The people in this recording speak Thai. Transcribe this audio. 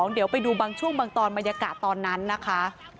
เดี๋ยวไปดูบางช่วงบางตอนบรรยากาศตอนนั้นนะคะ